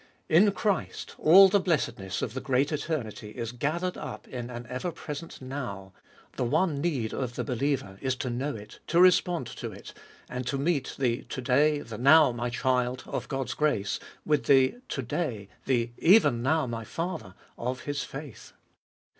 In Christ all the blessedness of the great eternity is gathered up in an ever present Now : the one need of the believer is to know it, to respond to it, and to meet the To day, the Now, my child ! of God's grace with the To day, the Even now, my Father ! of his faith.